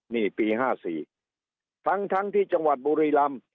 นี่ปี๕๔ทั้งที่จังหวัดบุรีรำ